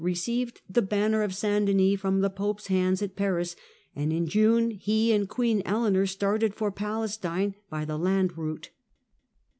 received the banner of 1146 1149 St Denis from the Pope's hands at Paris, and in June he and Queen Eleanor started for Palestine by the land route.